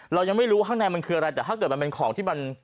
เรายังไม่รู้ว่าข้างในมันคืออะไรแต่ถ้าเกิดมันเป็นของที่มัน